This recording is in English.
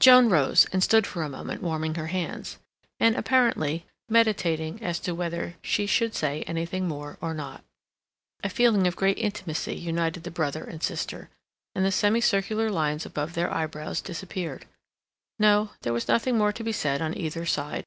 Joan rose, and stood for a moment warming her hands, and, apparently, meditating as to whether she should say anything more or not. A feeling of great intimacy united the brother and sister, and the semicircular lines above their eyebrows disappeared. No, there was nothing more to be said on either side.